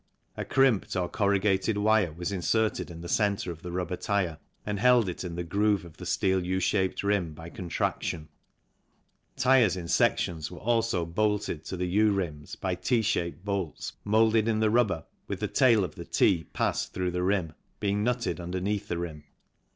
A crimped or corrugated wire was inserted in the centre of the rubber tyre and held it in the groove of the steel U shaped rim by contraction. Tyres in sections were 50 THE PNEUMATIC AND OTHER TYRES 51 also bolted to the U rims by T shaped bolts moulddl in the rubber, with the tail of the T passed through the rim, being nutted underneath the rim.